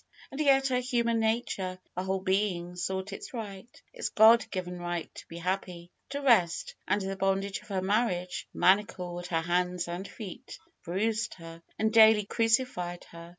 And yet her human nature, her whole being, sought its right, its God given right to be happ3% to rest, and the bondage of her marriage man acled her hands and feet, bruised her, and daily cruci fied her.